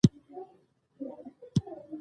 زه د کابل یم، د خوښې ځای مې سوات دی.